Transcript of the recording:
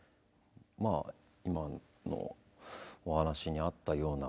今のお話にあったような。